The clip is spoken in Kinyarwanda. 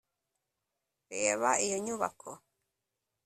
reba iyo nyubako